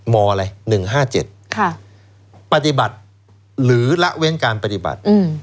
มอะไร๑๕๗ปฏิบัติหรือละเว้นการปฏิบัติ